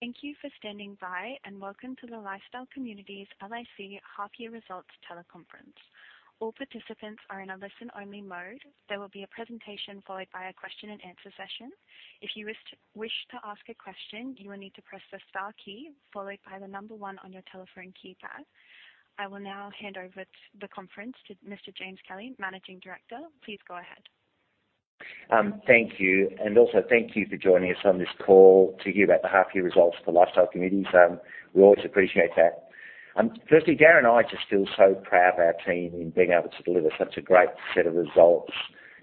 Thank you for standing by, and welcome to the Lifestyle Communities LIC half year results teleconference. All participants are in a listen-only mode. There will be a presentation followed by a question and answer session. If you wish to ask a question, you will need to press the Star key followed by the number one on your telephone keypad. I will now hand over the conference to Mr. James Kelly, Managing Director. Please go ahead. Thank you, and also thank you for joining us on this call to hear about the half year results for Lifestyle Communities. We always appreciate that. Firstly, Darren and I just feel so proud of our team in being able to deliver such a great set of results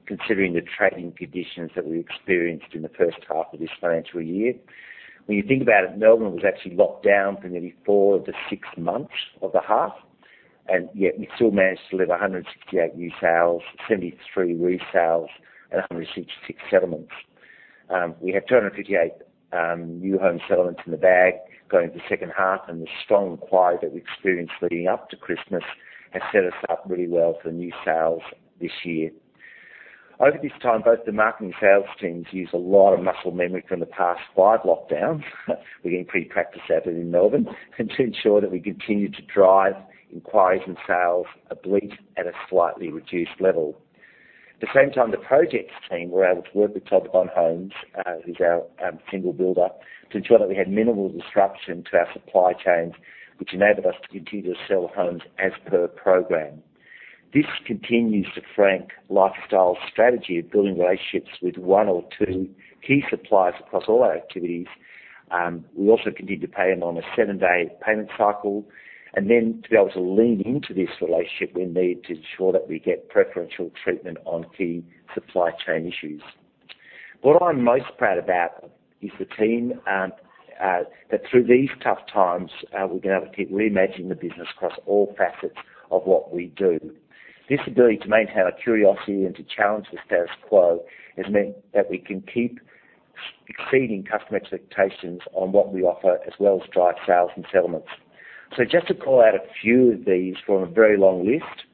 considering the trading conditions that we experienced in the first half of this financial year. When you think about it, Melbourne was actually locked down for nearly four of the six months of the half, and yet we still managed to deliver 168 new sales, 73 resales and 166 settlements. We have 258 new home settlements in the bag going into the second half, and the strong inquiry that we experienced leading up to Christmas has set us up really well for new sales this year. Over this time, both the marketing sales teams used a lot of muscle memory from the past five lockdowns. We're getting pretty practiced at it in Melbourne, and to ensure that we continue to drive inquiries and sales albeit at a slightly reduced level. At the same time, the projects team were able to work with Top Gun Homes, who's our single builder, to ensure that we had minimal disruption to our supply chains, which enabled us to continue to sell homes as per program. This continues to back Lifestyle's strategy of building relationships with one or two key suppliers across all our activities. We also continue to pay them on a seven-day payment cycle. To be able to lean into this relationship, we need to ensure that we get preferential treatment on key supply chain issues. What I'm most proud about is the team that through these tough times we've been able to keep reimagining the business across all facets of what we do. This ability to maintain our curiosity and to challenge the status quo has meant that we can keep exceeding customer expectations on what we offer, as well as drive sales and settlements. Just to call out a few of these from a very long list,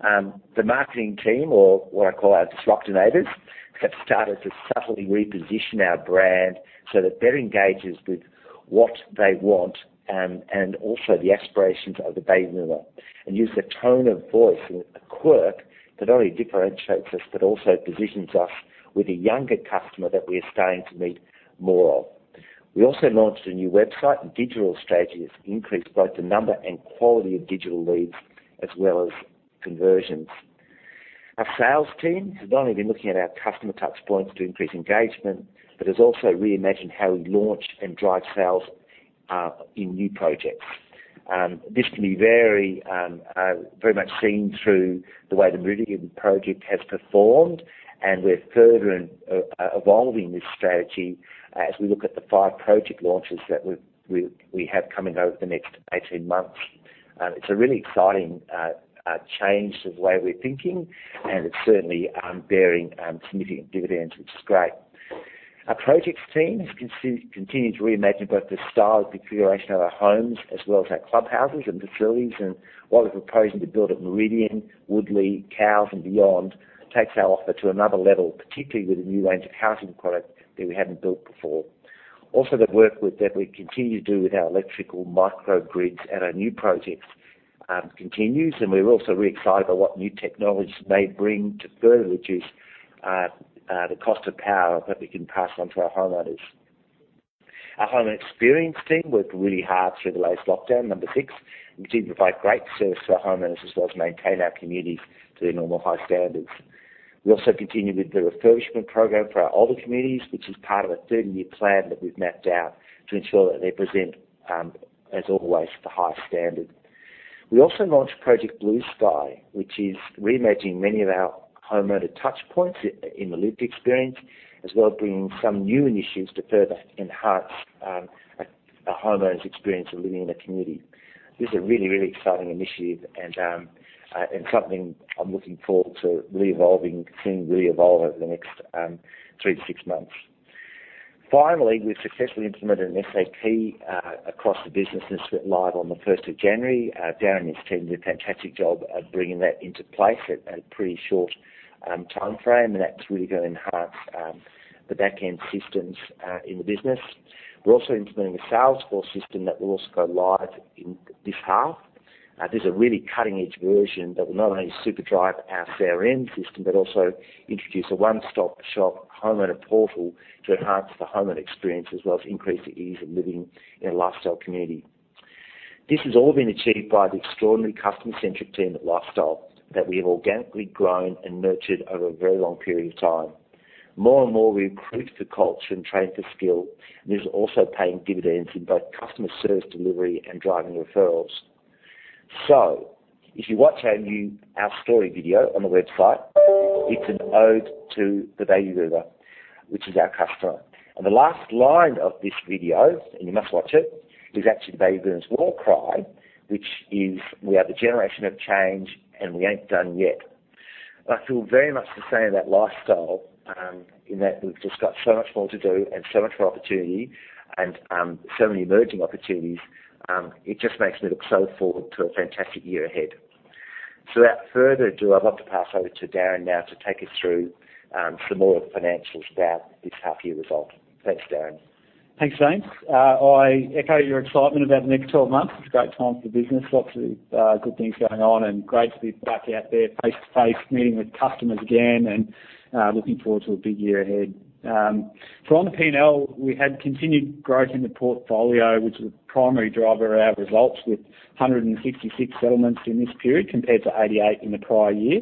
the marketing team, or what I call our disruptors, have started to subtly reposition our brand so that better engages with what they want, and also the aspirations of the baby boomer, and use the tone of voice and a quirk that not only differentiates us, but also positions us with a younger customer that we are starting to meet more of. We also launched a new website and digital strategy that's increased both the number and quality of digital leads as well as conversions. Our sales team has not only been looking at our customer touch points to increase engagement, but has also reimagined how we launch and drive sales in new projects. This can be very much seen through the way the Merrifield project has performed, and we're further evolving this strategy as we look at the five project launches that we have coming over the next 18 months. It's a really exciting change to the way we're thinking and it's certainly bearing significant dividends, which is great. Our projects team has continued to reimagine both the style and configuration of our homes as well as our clubhouses and facilities. What we're proposing to build at Meridian, Woodlea, Cowes and beyond takes our offer to another level, particularly with a new range of housing product that we haven't built before. Also, the work that we continue to do with our electrical microgrids at our new projects continues, and we're also really excited by what new technologies may bring to further reduce the cost of power that we can pass on to our homeowners. Our home experience team worked really hard through the last lockdown, number six, and continued to provide great service to our homeowners, as well as maintain our communities to their normal high standards. We also continued with the refurbishment program for our older communities, which is part of a 30-year plan that we've mapped out to ensure that they present, as always, to the highest standard. We also launched Project Blue Sky, which is reimagining many of our homeowner touch points in the lived experience, as well as bringing some new initiatives to further enhance a homeowner's experience of living in a community. This is a really exciting initiative and something I'm looking forward to seeing really evolve over the next three to six months. Finally, we've successfully implemented an SAP across the business. This went live on the first of January. Darren and his team did a fantastic job of bringing that into place at a pretty short timeframe, and that's really gonna enhance the back-end systems in the business. We're also implementing a Salesforce system that will also go live in this half. This is a really cutting-edge version that will not only supercharge our CRM system, but also introduce a one-stop shop homeowner portal to enhance the homeowner experience, as well as increase the ease of living in a Lifestyle community. This has all been achieved by the extraordinary customer-centric team at Lifestyle that we have organically grown and nurtured over a very long period of time. More and more, we recruit for culture and train for skill, and this is also paying dividends in both customer service delivery and driving referrals. If you watch our story video on the website, it's an ode to the baby boomer, which is our customer. The last line of this video, and you must watch it, is actually the baby boomers' war cry, which is, "We are the generation of change, and we ain't done yet." I feel very much the same about Lifestyle, in that we've just got so much more to do and so much more opportunity and, so many emerging opportunities. It just makes me look so forward to a fantastic year ahead. Without further ado, I'd love to pass over to Darren now to take us through, some more financials about this half year result. Thanks, Darren. Thanks, James. I echo your excitement about the next 12 months. It's a great time for business, lots of good things going on, and great to be back out there face-to-face meeting with customers again and looking forward to a big year ahead. On the P&L, we had continued growth in the portfolio, which was a primary driver of our results with 166 settlements in this period compared to 88 in the prior year.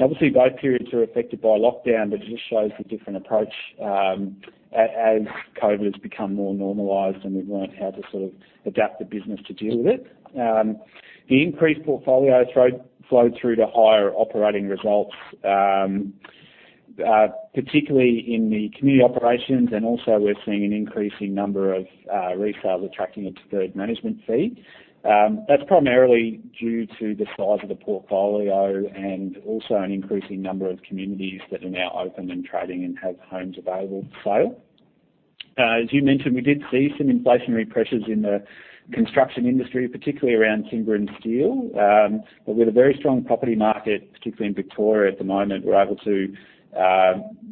Obviously, both periods are affected by lockdown, but it just shows the different approach as COVID has become more normalized, and we've learned how to sort of adapt the business to deal with it. The increased portfolio flowed through to higher operating results, particularly in the community operations, and also we're seeing an increasing number of resales attracting a deferred management fee. That's primarily due to the size of the portfolio and also an increasing number of communities that are now open and trading and have homes available for sale. As you mentioned, we did see some inflationary pressures in the construction industry, particularly around timber and steel. We had a very strong property market, particularly in Victoria at the moment. We're able to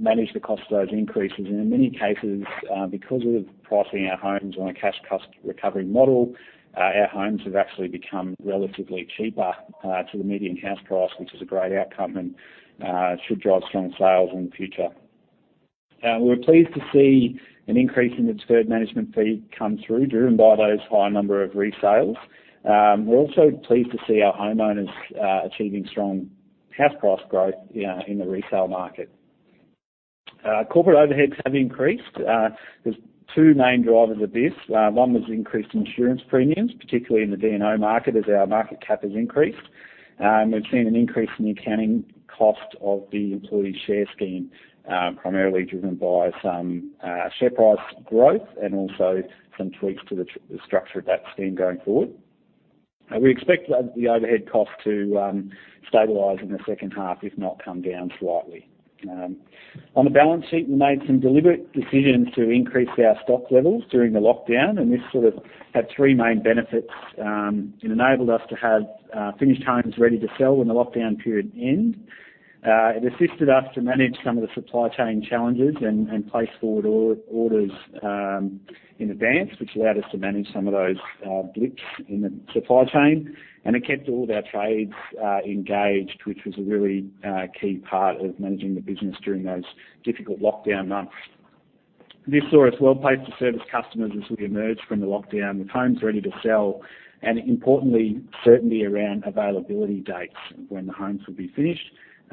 manage the cost of those increases. In many cases, because we're pricing our homes on a cash cost recovery model, our homes have actually become relatively cheaper to the median house price, which is a great outcome and should drive strong sales in the future. We were pleased to see an increase in the deferred management fee come through, driven by those high number of resales. We're also pleased to see our homeowners achieving strong house price growth, yeah, in the resale market. Corporate overheads have increased. There's two main drivers of this. One was increased insurance premiums, particularly in the D&O market as our market cap has increased. We've seen an increase in the accounting cost of the employee share scheme, primarily driven by some share price growth and also some tweaks to the structure of that scheme going forward. We expect the overhead cost to stabilize in the second half, if not come down slightly. On the balance sheet, we made some deliberate decisions to increase our stock levels during the lockdown, and this sort of had three main benefits. It enabled us to have finished homes ready to sell when the lockdown period end. It assisted us to manage some of the supply chain challenges and place forward orders in advance, which allowed us to manage some of those blips in the supply chain. It kept all of our trades engaged, which was a really key part of managing the business during those difficult lockdown months. This saw us well-placed to service customers as we emerged from the lockdown with homes ready to sell, and importantly, certainty around availability dates when the homes would be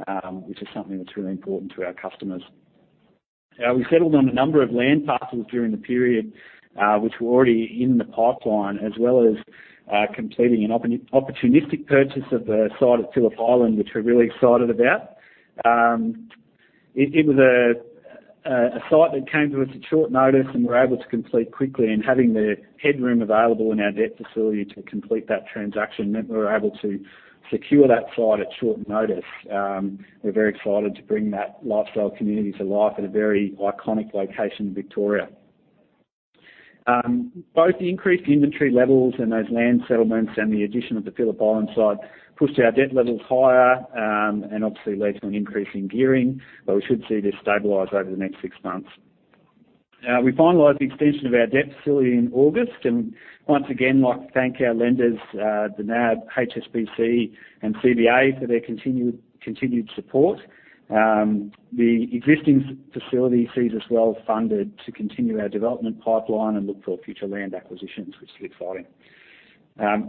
finished, which is something that's really important to our customers. We settled on a number of land parcels during the period, which were already in the pipeline, as well as completing an opportunistic purchase of the site at Phillip Island, which we're really excited about. It was a site that came to us at short notice, and we were able to complete quickly. Having the headroom available in our debt facility to complete that transaction meant we were able to secure that site at short notice. We're very excited to bring that lifestyle community to life at a very iconic location in Victoria. Both the increased inventory levels and those land settlements and the addition of the Phillip Island site pushed our debt levels higher, and obviously led to an increase in gearing. We should see this stabilize over the next six months. We finalized the extension of our debt facility in August, and once again like to thank our lenders, the NAB, HSBC and CBA for their continued support. The existing facility sees us well funded to continue our development pipeline and look for future land acquisitions, which is exciting.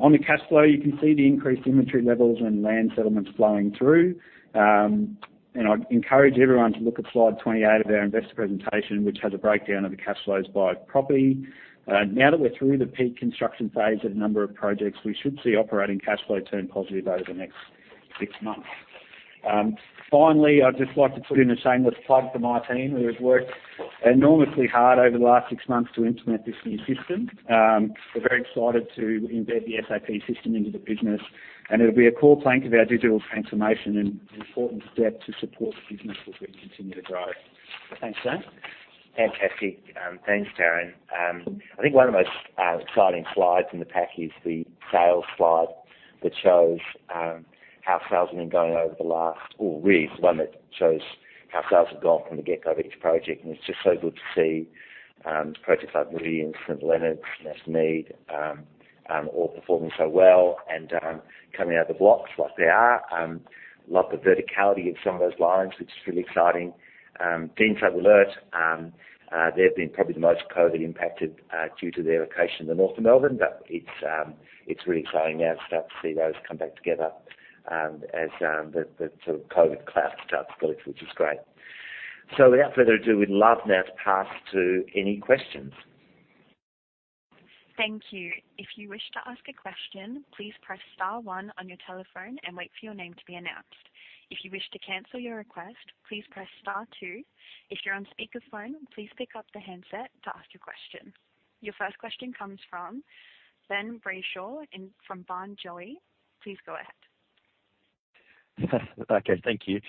On the cash flow, you can see the increased inventory levels and land settlements flowing through. I'd encourage everyone to look at slide 28 of our investor presentation, which has a breakdown of the cash flows by property. Now that we're through the peak construction phase of a number of projects, we should see operating cash flow turn positive over the next six months. Finally, I'd just like to put in a shameless plug for my team, who have worked enormously hard over the last six months to implement this new system. We're very excited to embed the SAP system into the business, and it'll be a core plank of our digital transformation and an important step to support the business as we continue to grow. Thanks, James. Fantastic. Thanks, Darren. I think one of the most exciting slides in the pack is the sales slide that shows how sales have gone from the get-go of each project. It's just so good to see projects like Meridian, St. Leonards, Merrifield all performing so well and coming out of the blocks like they are. Love the verticality of some of those lines, which is really exciting. Deanside. Alright, they've been probably the most COVID impacted due to their location in the north of Melbourne. It's really exciting now to start to see those come back together as the sort of COVID cloud starts to lift, which is great. Without further ado, we'd love now to pass to any questions. Thank you. If you wish to ask a question, please press star one on your telephone and wait for your name to be announced. If you wish to cancel your request, please press star two. If you're on speakerphone, please pick up the handset to ask your question. Your first question comes from Ben Bressington from Barrenjoey. Please go ahead. Okay. Thank you.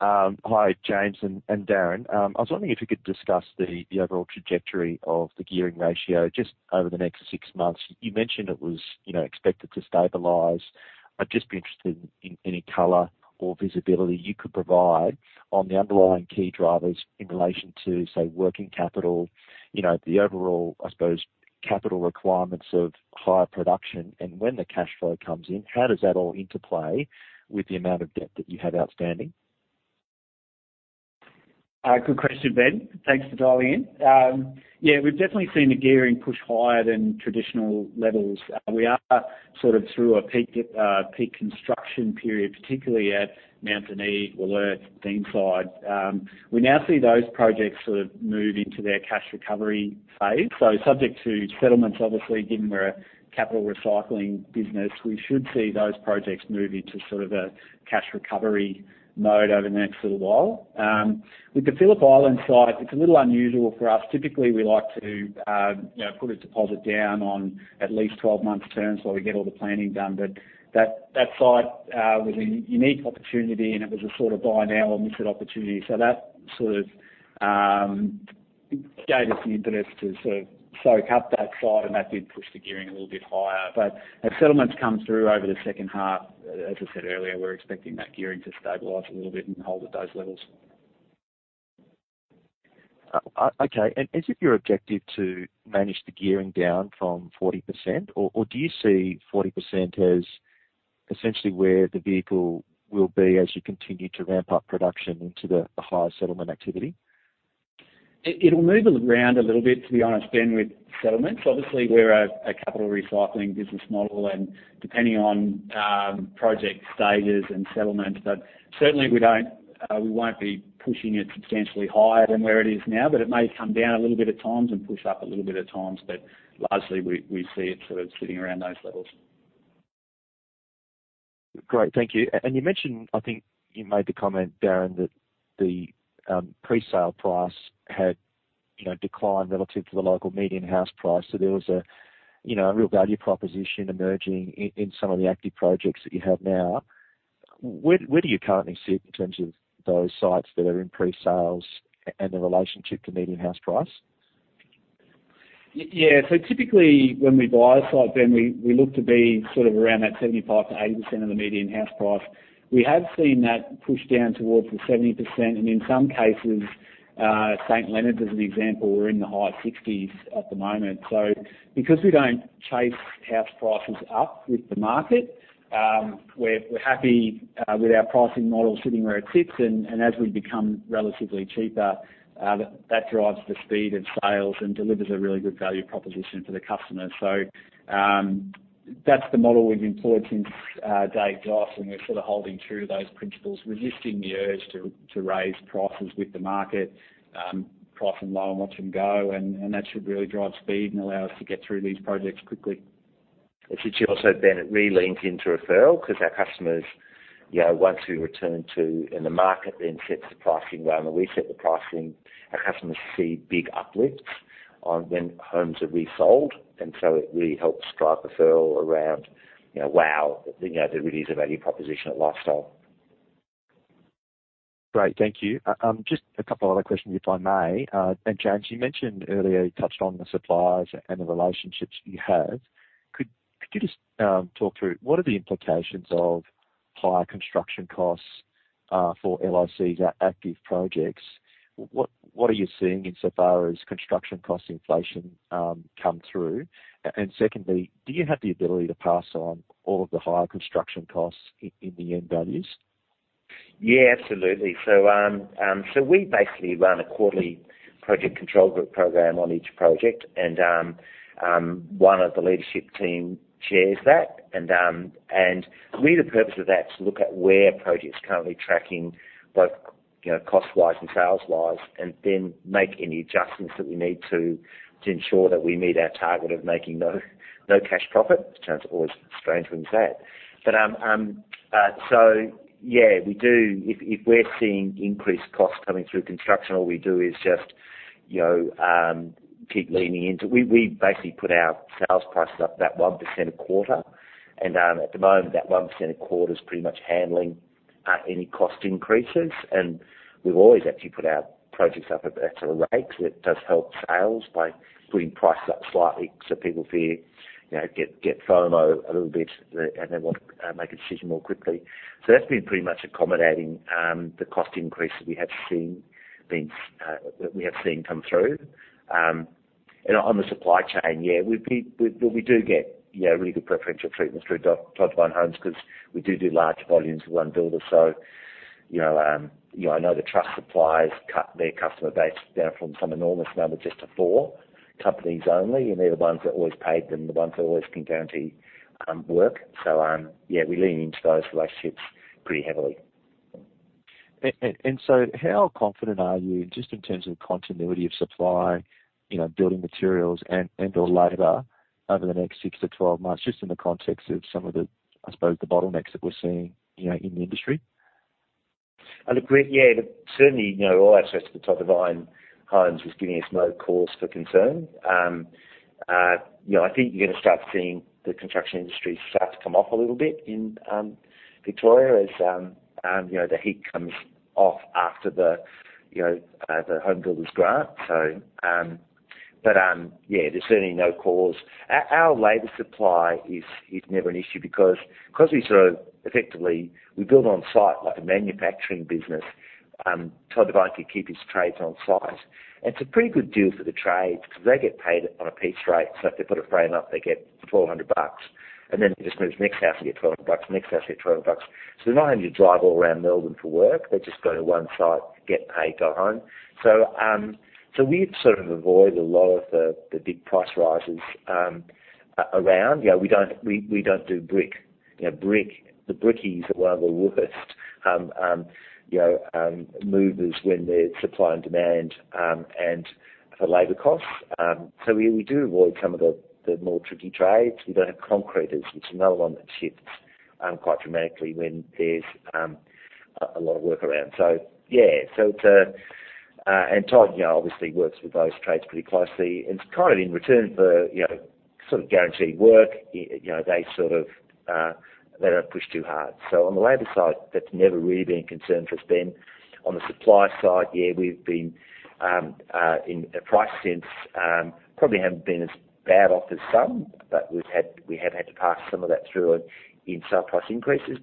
Hi James and Dan. I was wondering if you could discuss the overall trajectory of the gearing ratio just over the next six months. You mentioned it was, you know, expected to stabilize. I'd just be interested in any color or visibility you could provide on the underlying key drivers in relation to, say, working capital, you know, the overall, I suppose, capital requirements of higher production. When the cash flow comes in, how does that all interplay with the amount of debt that you have outstanding? Good question, Ben. Thanks for dialing in. Yeah, we've definitely seen the gearing push higher than traditional levels. We are sort of through a peak construction period, parti cularly at Mt. Atkinson or Tarneit. We now see those projects sort of move into their cash recovery phase. Subject to settlements, obviously, given we're a capital recycling business, we should see those projects move into sort of a cash recovery mode over the next little while. With the Phillip Island site, it's a little unusual for us. Typically, we like to, you know, put a deposit down on at least 12 months terms while we get all the planning done. That site was a unique opportunity, and it was a sort of buy now or miss it opportunity. that sort of gave us the impetus to sort of soak up that site, and that did push the gearing a little bit higher. as settlements come through over the second half, as I said earlier, we're expecting that gearing to stabilize a little bit and hold at those levels. Okay. Is it your objective to manage the gearing down from 40%? Or do you see 40% as essentially where the vehicle will be as you continue to ramp up production into the higher settlement activity? It'll move around a little bit, to be honest, Ben, with settlements. Obviously, we're a capital recycling business model and depending on project stages and settlements. Certainly we won't be pushing it substantially higher than where it is now, but it may come down a little bit at times and push up a little bit at times. Largely we see it sort of sitting around those levels. Great. Thank you. You mentioned, I think you made the comment, Darren, that the presale price had, you know, declined relative to the local median house price. There was a, you know, a real value proposition emerging in some of the active projects that you have now. Where do you currently sit in terms of those sites that are in presales and the relationship to median house price? Yeah. Typically when we buy a site, we look to be around that 75%-80% of the median house price. We have seen that push down towards the 70% and in some cases, St. Leonards as an example, we're in the high 60s% at the moment. Because we don't chase house prices up with the market, we're happy with our pricing model sitting where it sits. As we become relatively cheaper, that drives the speed of sales and delivers a really good value proposition for the customer. That's the model we've employed since day dot, and we're sort of holding true to those principles, resisting the urge to raise prices with the market, price them low and watch them go, and that should really drive speed and allow us to get through these projects quickly. It should also, Ben, it really leans into referral because our customers, you know, once we return to and the market then sets the pricing rather than we set the pricing, our customers see big uplifts on when homes are resold. It really helps drive referral around, you know, wow, you know, there really is a value proposition at Lifestyle. Great. Thank you. Just a couple other questions, if I may. James, you mentioned earlier, you touched on the suppliers and the relationships you have. Could you just talk through what are the implications of higher construction costs for LICs or active projects? What are you seeing insofar as construction cost inflation come through? Secondly, do you have the ability to pass on all of the higher construction costs in the end values? Yeah, absolutely. We basically run a quarterly project control group program on each project, and one of the leadership team chairs that. Really the purpose of that is to look at where a project is currently tracking, both you know, cost-wise and sales-wise, and then make any adjustments that we need to ensure that we meet our target of making no cash profit. It sounds always strange when you say it. Yeah, we do. If we're seeing increased costs coming through construction, all we do is just you know, we basically put our sales prices up about 1% a quarter. At the moment, that 1% a quarter is pretty much handling any cost increases. We've always actually put our projects up at better rates. It does help sales by putting price up slightly so people feel get FOMO a little bit and they want to make a decision more quickly. That's been pretty much accommodating the cost increases we have seen come through. On the supply chain, we do get really good preferential treatments through Top Gun Homes because we do large volumes with one builder. I know their suppliers cut their customer base down from some enormous number just to four companies only, and they're the ones that always paid them, the ones that always can guarantee work. We lean into those relationships pretty heavily. how confident are you just in terms of continuity of supply, you know, building materials and/or labor over the next six to 12 months, just in the context of some of the, I suppose, the bottlenecks that we're seeing, you know, in the industry? Look, yeah, certainly, you know, all access to Top Gun Homes was giving us no cause for concern. I think you're gonna start seeing the construction industry start to come off a little bit in Victoria as you know, the heat comes off after the you know, the HomeBuilder grant. Yeah, there's certainly no cause. Our labor supply is never an issue because we sort of effectively we build on site like a manufacturing business. Top Gun Homes can keep his trades on site. It's a pretty good deal for the trades because they get paid on a piece rate. If they put a frame up, they get 1,200 bucks, and then it just moves next house, they get 1,200 bucks. Next house they get 1,200 bucks. They don't have to drive all around Melbourne for work. They just go to one site, get paid, go home. We've sort of avoided a lot of the big price rises around. You know, we don't do brick. You know brick, the brickies are one of the worst, you know, movers when there's supply and demand and for labor costs. We do avoid some of the more tricky trades. We don't have concreters, which are another one that shifts quite dramatically when there's a lot of work around. Yeah. Todd, you know, obviously works with those trades pretty closely. It's kind of in return for, you know, sort of guaranteed work, you know, they sort of don't push too hard. On the labor side, that's never really been a concern for us, Ben. On the supply side, we've been in price since probably haven't been as bad off as some, but we've had to pass some of that through in sale price increases.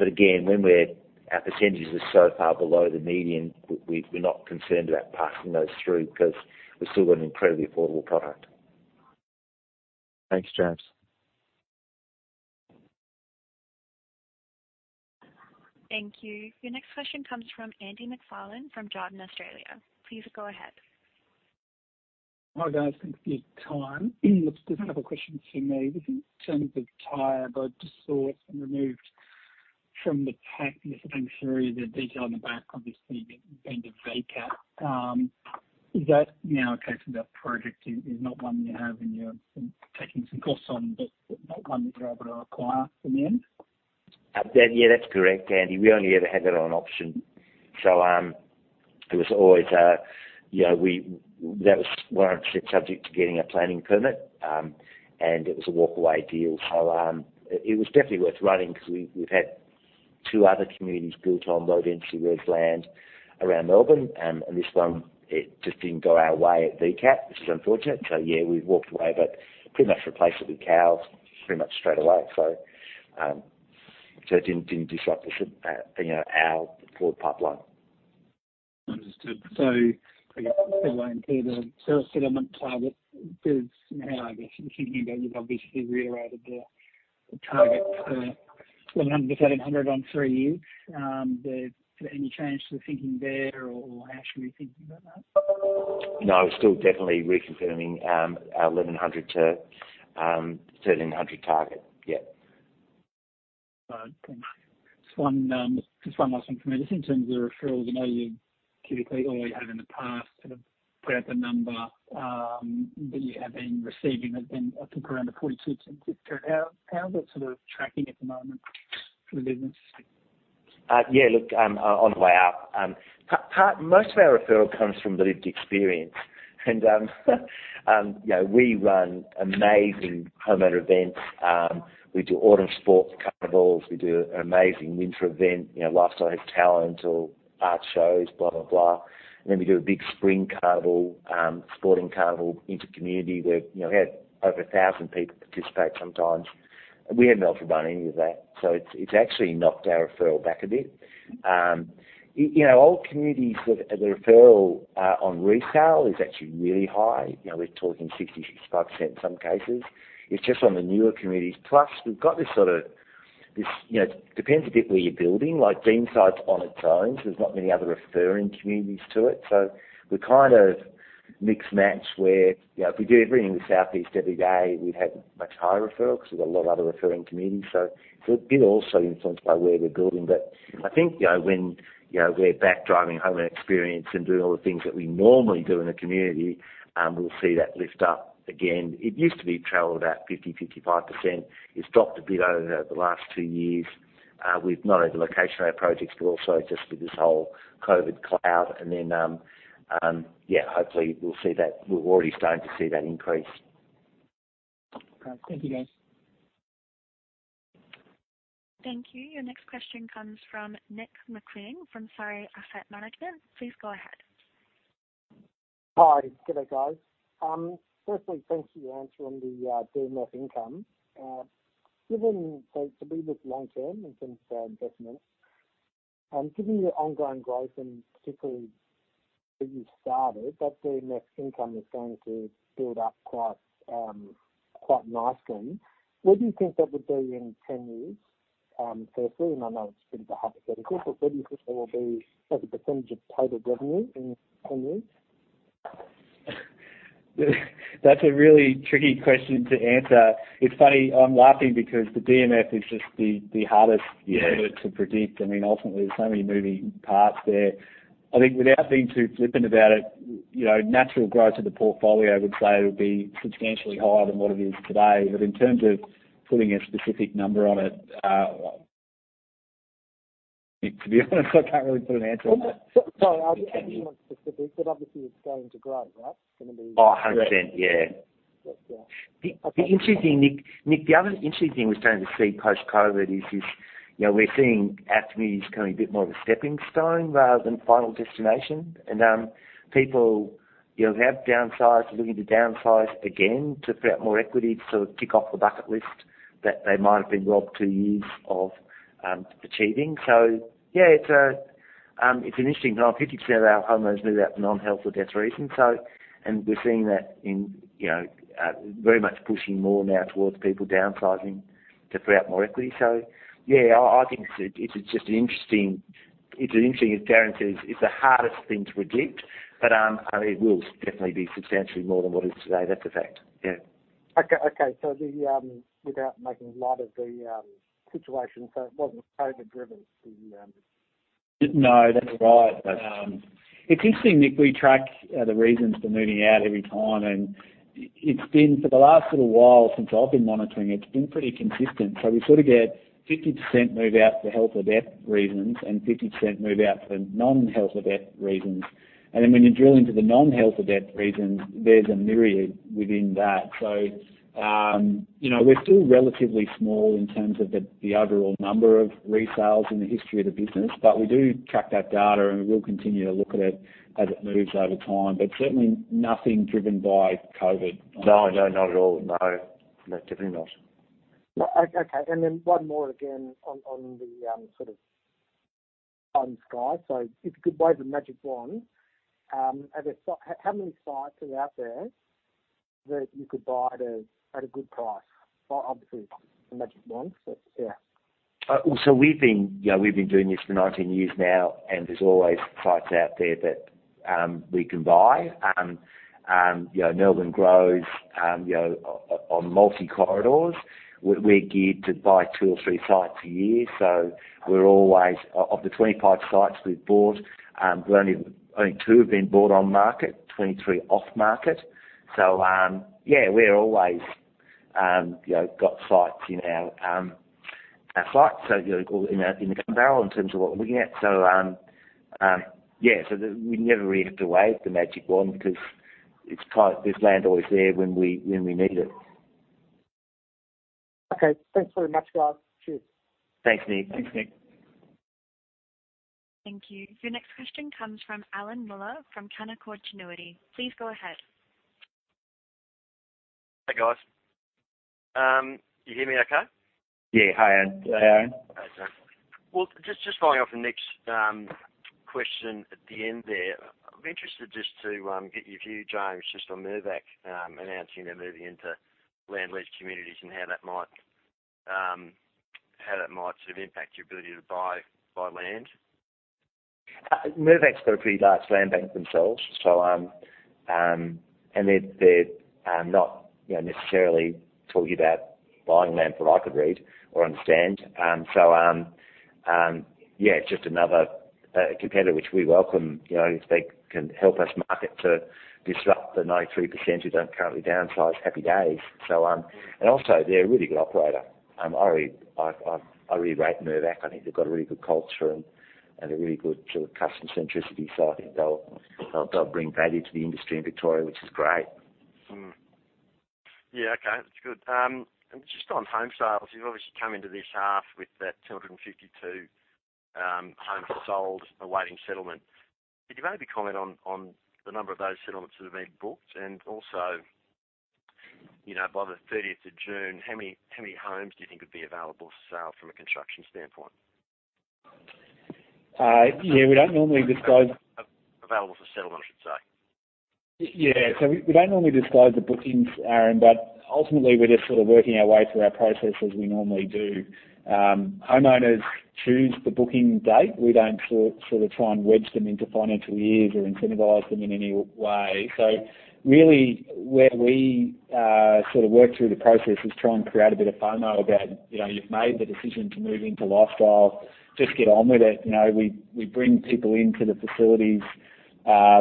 Again, when our percentages are so far below the median, we're not concerned about passing those through because we've still got an incredibly affordable product. Thanks, James. Thank you. Your next question comes from Andrew MacFarlane from Jarden Australia. Please go ahead. Hi, guys. Thanks for your time. Just a couple questions from me. Just in terms of Tyabb. Just saw it's been removed from the pack. I missed the detail on the back, obviously being the VCAT. Is that now a case of that project is not one you're taking some costs on, but not one that you're able to acquire in the end? Darren, yeah, that's correct, Andy. We only ever had that on option. It was always, you know, that was 100% subject to getting a planning permit, and it was a walk away deal. It was definitely worth running because we've had two other communities built on low-density res land around Melbourne. This one, it just didn't go our way at VCAT, which is unfortunate. Yeah, we've walked away, but pretty much replaced it with Cowes pretty much straight away. It didn't disrupt, you know, our forward pipeline. Understood. I guess settlement target is how I guess you can hear that you've obviously reiterated the target for 1,100-1,300 in three years. Any change to the thinking there or how should we be thinking about that? No, we're still definitely reconfirming our 1,100-1,300 target. Yeah. All right. Thanks. Just one last one from me. Just in terms of referrals, I know you've typically or you have in the past sort of put out the number that you have been receiving has been, I think, around the 42%. How is it sort of tracking at the moment for the business? On the way up. Most of our referral comes from the lived experience. You know, we run amazing homeowner events. We do autumn sports carnivals. We do an amazing winter event, you know, Lifestyle Has Talent or art shows, blah, blah. We do a big spring carnival, sporting carnival in the community where, you know, we have over 1,000 people participate sometimes. We haven't run any of that. It's actually knocked our referral back a bit. You know, old communities, the referral on resale is actually really high. You know, we're talking 65% in some cases. It's just on the newer communities. Plus, we've got this, you know, depends a bit where you're building, like Deanside's on its own, so there's not many other referring communities to it. We kind of mix match where, you know, if we do everything in the southeast every day, we'd have much higher referral because we've got a lot of other referring communities. It's a bit also influenced by where we're building. I think, you know, when, you know, we're back driving home experience and doing all the things that we normally do in a community, we'll see that lift up again. It used to be about 50-55%. It's dropped a bit over the last two years with not only the location of our projects, but also just with this whole COVID cloud. Yeah, hopefully we'll see that, we're already starting to see that increase. Great. Thank you, James. Thank you. Your next question comes from Nick Maclean from Surrey Asset Management. Please go ahead. Hi. G'day, guys. First, thanks for your answer on the DMF income. Given your ongoing growth and particularly where you've started, that DMF income is going to build up quite nicely. Where do you think that would be in 10 years, first, and I know it's a bit of a hypothetical, but where do you think that will be as a percentage of total revenue in 10 years? That's a really tricky question to answer. It's funny, I'm laughing because the DMF is just the hardest number to predict. I mean, ultimately, there's so many moving parts there. I think without being too flippant about it, you know, natural growth of the portfolio, I would say it would be substantially higher than what it is today. In terms of putting a specific number on it, to be honest, I can't really put an answer on that. Sorry. I didn't want specifics, but obviously it's going to grow, right? It's gonna be. Oh, 100%. Yeah. The interesting thing, Nick, the other interesting thing we're starting to see post-COVID is, you know, we're seeing active communities becoming a bit more of a stepping stone rather than final destination. People, you know, who have downsized are looking to downsize again to create more equity to tick off the bucket list that they might have been robbed two years of achieving. Yeah, it's an interesting time. 50% of our homeowners move out for non-health or death reasons. We're seeing that in, you know, very much pushing more now towards people downsizing to create more equity. Yeah, I think it's just an interesting guarantee. It's the hardest thing to predict, but it will definitely be substantially more than what it is today. That's a fact. Yeah. Without making light of the situation, it wasn't COVID driven. No, that's right. It's interesting, Nick Maclean, we track the reasons for moving out every time, and it's been for the last little while since I've been monitoring, it's been pretty consistent. We sort of get 50% move out for health or death reasons and 50% move out for non-health or death reasons. And then when you drill into the non-health or death reasons, there's a myriad within that. You know, we're still relatively small in terms of the overall number of resales in the history of the business, but we do track that data, and we will continue to look at it as it moves over time. Certainly nothing driven by COVID. No, no, not at all. No, no, definitely not. Okay. One more again on the sort of on supply. If you could wave a magic wand, how many sites are out there that you could buy at a good price? Well, obviously, a magic wand. Yeah. We've been doing this for 19 years now, and there's always sites out there that we can buy. You know, Melbourne grows on multiple corridors. We're geared to buy two or three sites a year. Of the 25 sites we've bought, only two have been bought on market, 23 off market. Yeah, we're always got sites in our sights. You know, in a gun barrel in terms of what we're looking at. Yeah, we never really have to wave the magic wand because there's land always there when we need it. Okay. Thanks very much, guys. Cheers. Thanks, Nick. Thanks, Nick. Thank you. Your next question comes from Aaron Muller from Canaccord Genuity. Please go ahead. Hey, guys. You hear me okay? Yeah. Hi, Alan. Well, just following up on Nick's question at the end there. I'm interested just to get your view, James, just on Mirvac announcing they're moving into land lease communities and how that might sort of impact your ability to buy land. Mirvac's got a pretty large land bank themselves, so they're not, you know, necessarily talking about buying land from what I could read or understand. Yeah, it's just another competitor which we welcome, you know, if they can help us market to disrupt the 93% who don't currently downsize. Happy days. They're a really good operator. I really rate Mirvac. I think they've got a really good culture and a really good sort of customer centricity. I think they'll bring value to the industry in Victoria, which is great. Mm-hmm. Yeah. Okay. That's good. Just on home sales, you've obviously come into this half with that 252 homes sold awaiting settlement. Could you maybe comment on the number of those settlements that have been booked and also, you know, by the thirtieth of June, how many homes do you think would be available for sale from a construction standpoint? Yeah, we don't normally disclose- Available for settlement, I should say. Yeah. We don't normally disclose the bookings, Aaron, but ultimately we're just sort of working our way through our process as we normally do. Homeowners choose the booking date. We don't sort of try and wedge them into financial years or incentivize them in any way. Really where we sort of work through the process is try and create a bit of FOMO about, you know, you've made the decision to move into lifestyle, just get on with it. You know, we bring people into the facilities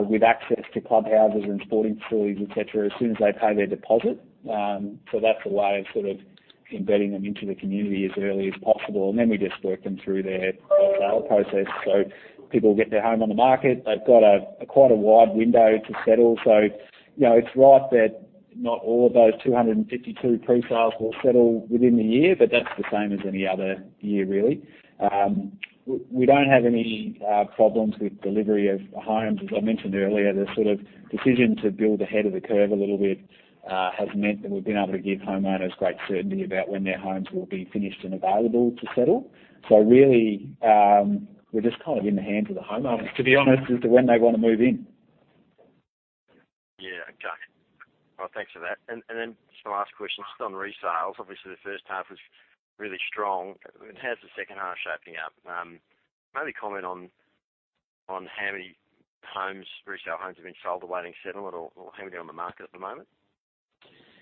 with access to clubhouses and sporting facilities, et cetera, as soon as they pay their deposit. That's a way of sort of embedding them into the community as early as possible. Then we just work them through their sale process so people get their home on the market. They've got quite a wide window to settle. You know, it's right that not all of those 252 pre-sales will settle within the year, but that's the same as any other year really. We don't have any problems with delivery of homes. As I mentioned earlier, the sort of decision to build ahead of the curve a little bit has meant that we've been able to give homeowners great certainty about when their homes will be finished and available to settle. Really, we're just kind of in the hands of the homeowners, to be honest, as to when they wanna move in. Yeah. Okay. Well, thanks for that. Then just my last question, just on resales. Obviously, the first half was really strong. How's the second half shaping up? Maybe comment on how many homes, resale homes have been sold awaiting settlement or how many are on the market at the moment?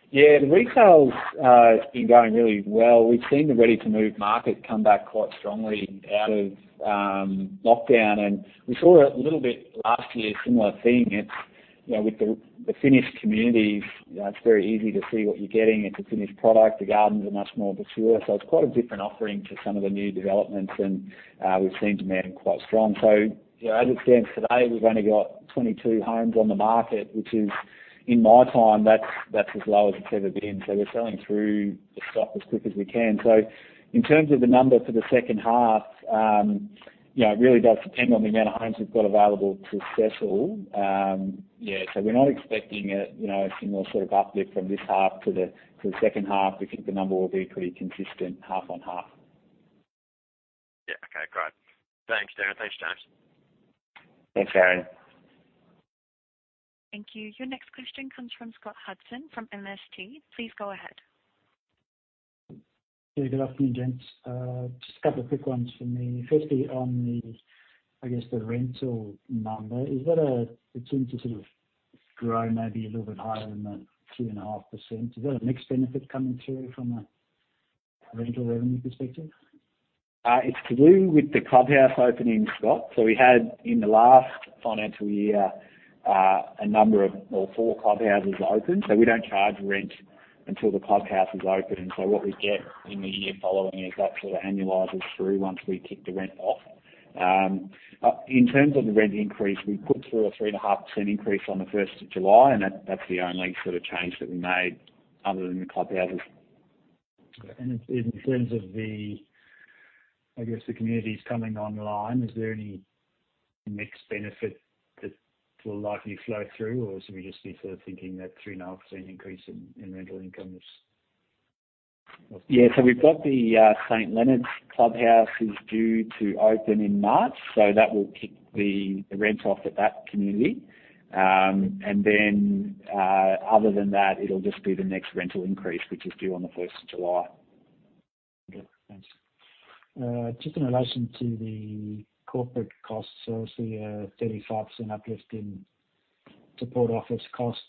Yeah, the resales have been going really well. We've seen the ready-to-move market come back quite strongly out of lockdown, and we saw it a little bit last year, similar theme. It's. You know, with the finished communities, you know, it's very easy to see what you're getting. It's a finished product. The gardens are much more mature, so it's quite a different offering to some of the new developments, and we've seen demand quite strong. You know, as it stands today, we've only got 22 homes on the market, which is, in my time, that's as low as it's ever been. We're selling through the stock as quick as we can. In terms of the number for the second half, you know, it really does depend on the amount of homes we've got available to settle. Yeah. We're not expecting a, you know, a similar sort of uplift from this half to the second half. We think the number will be pretty consistent half on half. Yeah. Okay. Great. Thanks, Darren. Thanks, James. Thanks, Aaron. Thank you. Your next question comes from Scott Hudson from MST. Please go ahead. Yeah, good afternoon, gents. Just a couple of quick ones from me. Firstly, on the, I guess, the rental number, is that a, it seems to sort of grow maybe a little bit higher than the 3.5%. Is that a mixed benefit coming through from a rental revenue perspective? It's to do with the clubhouse opening, Scott. We had four clubhouses open in the last financial year. We don't charge rent until the clubhouse is open. What we get in the year following is that sort of annualizes through once we tick the rent off. In terms of the rent increase, we put through a 3.5% increase on the first of July, and that's the only sort of change that we made other than the clubhouses. In terms of, I guess, the communities coming online, is there any mixed benefit that will likely flow through? Or should we just be sort of thinking that 3.5% increase in rental income is- Yeah. We've got the St Leonard's clubhouse is due to open in March, so that will kick the rent off at that community. And then, other than that, it'll just be the next rental increase, which is due on the first of July. Okay, thanks. Just in relation to the corporate costs, obviously a 35% uplift in support office costs.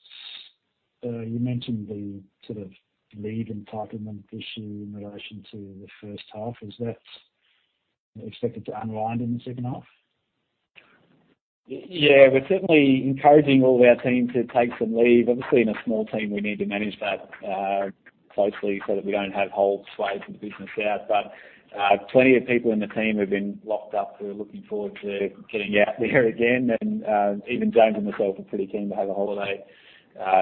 You mentioned the sort of leave entitlement issue in relation to the first half. Is that expected to unwind in the second half? Yeah. We're certainly encouraging all our team to take some leave. Obviously, in a small team, we need to manage that closely so that we don't have whole swathes of the business out. Plenty of people in the team have been locked up who are looking forward to getting out there again. Even James and myself are pretty keen to have a holiday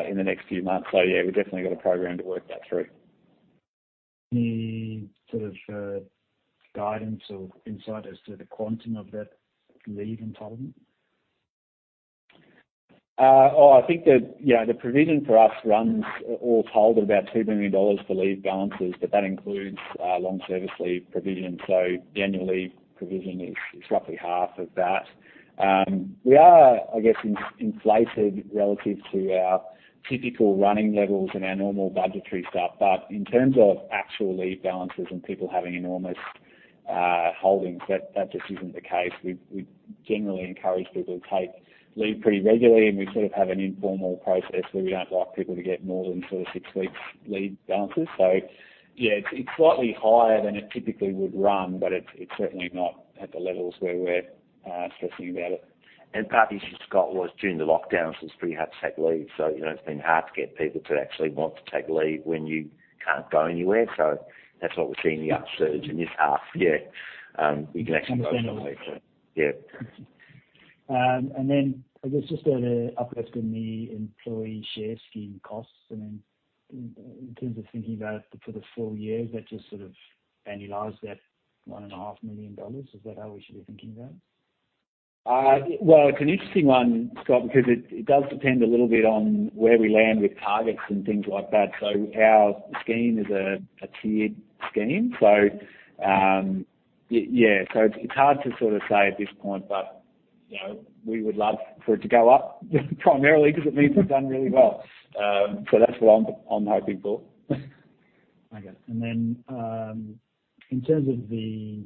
in the next few months. Yeah, we've definitely got a program to work that through. Any sort of, guidance or insight as to the quantum of that leave entitlement? I think that, you know, the provision for us runs all told at about 2 million dollars for leave balances, but that includes long service leave provision. The annual leave provision is roughly half of that. We are, I guess, inflated relative to our typical running levels and our normal budgetary stuff. In terms of actual leave balances and people having enormous holdings, that just isn't the case. We've generally encouraged people to take leave pretty regularly, and we sort of have an informal process where we don't like people to get more than sort of six weeks' leave balances. Yeah, it's slightly higher than it typically would run, but it's certainly not at the levels where we're stressing about it. Part of the issue, Scott, was during the lockdown, it was pretty hard to take leave. You know, it's been hard to get people to actually want to take leave when you can't go anywhere. That's what we're seeing, the upsurge in this half. Yeah. You can actually go somewhere. Understandably. Yeah. I guess just on uplifts in the employee share scheme costs, I mean, in terms of thinking about it for the full year, is that just sort of annualize that 1.5 million dollars? Is that how we should be thinking about it? Well, it's an interesting one, Scott, because it does depend a little bit on where we land with targets and things like that. Our scheme is a tiered scheme. It's hard to sort of say at this point, but you know, we would love for it to go up primarily because it means we've done really well. That's what I'm hoping for. Okay. In terms of the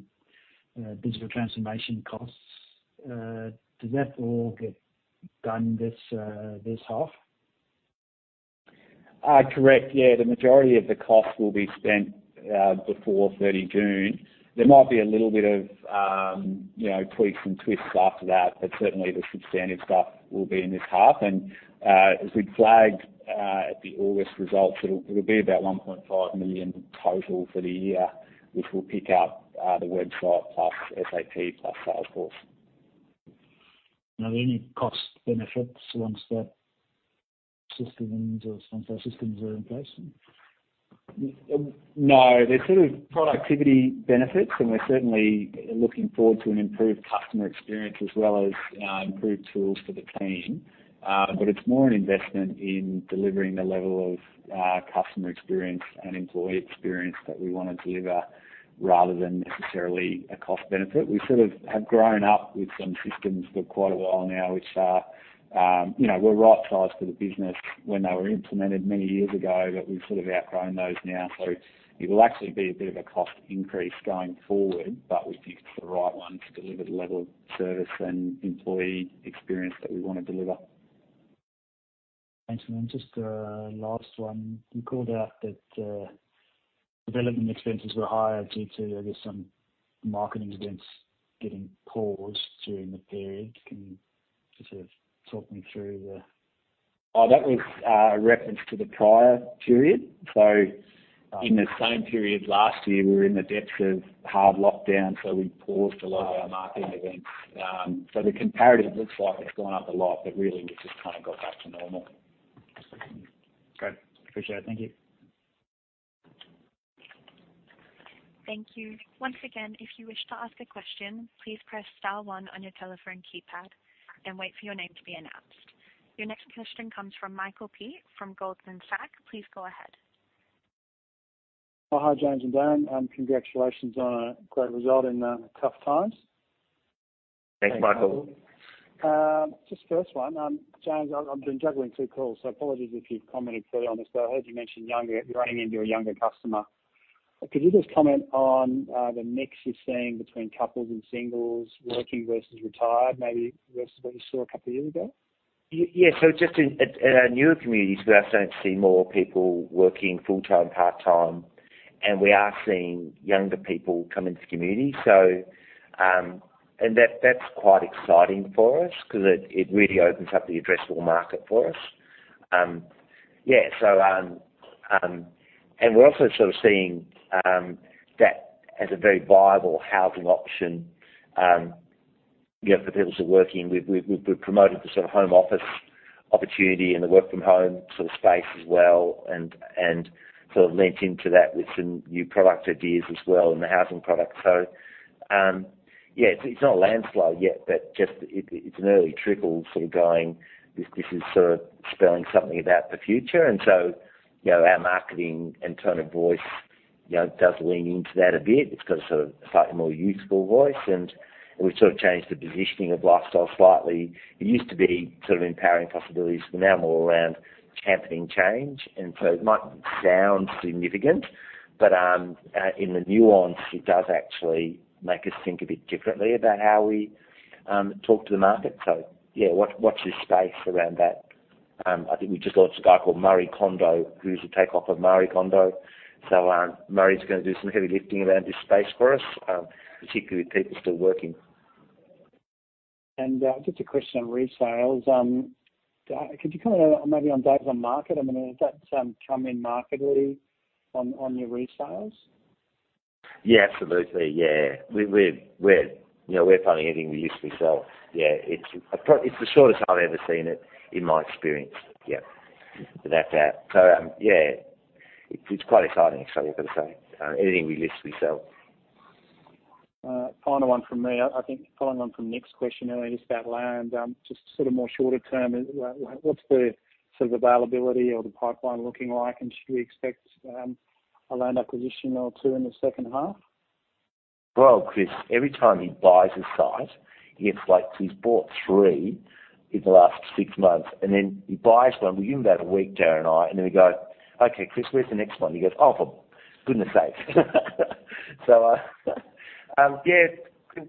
digital transformation costs, does that all get done this half? Correct. Yeah. The majority of the costs will be spent before 30 June. There might be a little bit of, you know, tweaks and twists after that, but certainly the substantive stuff will be in this half. As we'd flagged at the August results, it'll be about 1.5 million total for the year, which will pick up the website plus SAP plus Salesforce. Are there any cost benefits once that system or once those systems are in place? No. There's sort of productivity benefits, and we're certainly looking forward to an improved customer experience as well as improved tools for the team. It's more an investment in delivering the level of customer experience and employee experience that we wanna deliver rather than necessarily a cost benefit. We sort of have grown up with some systems for quite a while now, which are you know, were right sized for the business when they were implemented many years ago, but we've sort of outgrown those now. It will actually be a bit of a cost increase going forward, but we think it's the right one to deliver the level of service and employee experience that we wanna deliver. Thanks. Just a last one. You called out that, Development expenses were higher due to, I guess, some marketing events getting paused during the period. Can you just sort of talk me through the- Oh, that was a reference to the prior period. In the same period last year, we were in the depths of hard lockdown, so we paused a lot of our marketing events. The comparative looks like it's gone up a lot, but really we just kinda got back to normal. Great. Appreciate it. Thank you. Thank you. Once again, if you wish to ask a question, please press star one on your telephone keypad and wait for your name to be announced. Your next question comes from Michael Peet from Goldman Sachs. Please go ahead. Oh, hi, James and Darren. Congratulations on a great result in tough times. Thanks, Michael. Thanks, Michael. Just first one. James, I've been juggling two calls, so apologies if you've commented already on this, but I heard you mention you're aiming to a younger customer. Could you just comment on the mix you're seeing between couples and singles, working versus retired, maybe versus what you saw a couple years ago? Yes. Just in at our newer communities, we are starting to see more people working full-time, part-time, and we are seeing younger people come into community. That's quite exciting for us 'cause it really opens up the addressable market for us. We're also sort of seeing that as a very viable housing option, you know, for people sort of working. We've promoted the sort of home office opportunity and the work from home sort of space as well and sort of leaned into that with some new product ideas as well in the housing product. It's not a landslide yet, but it's an early trickle sort of going this is sort of spelling something about the future. You know, our marketing and tone of voice, you know, does lean into that a bit. It's got a sort of slightly more youthful voice, and we've sort of changed the positioning of Lifestyle slightly. It used to be sort of empowering possibilities. We're now more around championing change. It might not sound significant, but in the nuance, it does actually make us think a bit differently about how we talk to the market. Yeah, watch this space around that. I think we just launched a guy called Murray Condo, who's a takeoff of Marie Kondo. Murray's gonna do some heavy lifting around this space for us, particularly with people still working. Just a question on resales. Could you comment maybe on days on market? I mean, has that come in markedly on your resales? Yeah, absolutely. Yeah. We're, you know, finding anything we used to sell. Yeah. It's the shortest I've ever seen it in my experience. Yeah. Without a doubt. Yeah, it's quite exciting, actually. I've gotta say. Anything we list, we sell. Final one from me, I think, following on from Nick McLean's question earlier just about land, just sort of more shorter term, what's the sort of availability or the pipeline looking like? And should we expect a land acquisition or two in the second half? Well, Chris, every time he buys a site, he gets like. He's bought three in the last six months, and then he buys one. We give him about a week, Darren and I, and then we go, "Okay, Chris, where's the next one?" He goes, "Oh, for goodness sakes."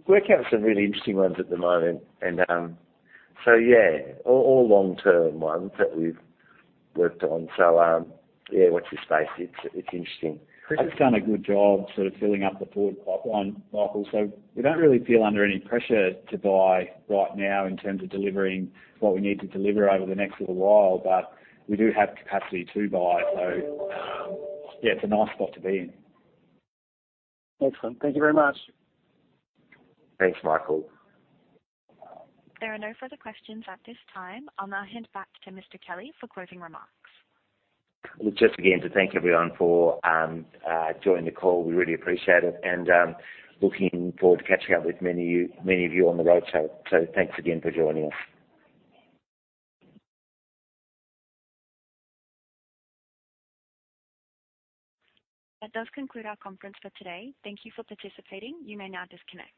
Working on some really interesting ones at the moment and all long-term ones that we've worked on. Watch this space. It's interesting. Chris has done a good job sort of filling up the forward pipeline, Michael, so we don't really feel under any pressure to buy right now in terms of delivering what we need to deliver over the next little while. We do have capacity to buy. Yeah, it's a nice spot to be in. Excellent. Thank you very much. Thanks, Michael. There are no further questions at this time. I'll now hand back to Mr. Kelly for closing remarks. Just again to thank everyone for joining the call. We really appreciate it and looking forward to catching up with many of you on the roadshow. Thanks again for joining us. That does conclude our conference for today. Thank you for participating. You may now disconnect.